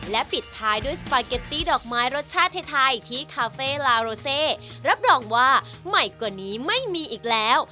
และปิดท้ายด้วยสปาเกตตี้ดอกไม้รสชาติไทยที่คาเฟ่ลาโรเซรับรองว่าใหม่กว่านี้ไม่มีอีกแล้ว